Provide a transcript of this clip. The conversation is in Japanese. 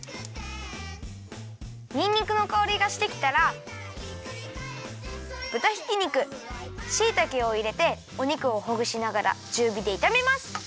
にんにくのかおりがしてきたらぶたひき肉しいたけをいれてお肉をほぐしながらちゅうびでいためます。